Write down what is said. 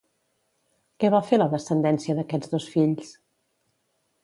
Què va fer la descendència d'aquests dos fills?